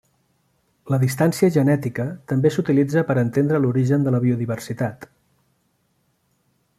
La distància genètica també s'utilitza per a entendre l'origen de la biodiversitat.